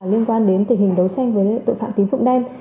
liên quan đến tình hình đấu tranh với tội phạm tín dụng đen